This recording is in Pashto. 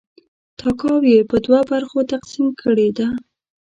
تاکاوی یې په دوه برخو تقسیم کړې ده.